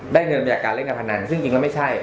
เงินจากการเล่นการพนันซึ่งจริงแล้วไม่ใช่